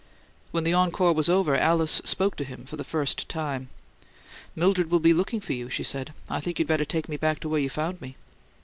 When the "encore" was over, Alice spoke to him for the first time. "Mildred will be looking for you," she said. "I think you'd better take me back to where you found me."